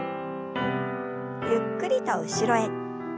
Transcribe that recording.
ゆっくりと後ろへ。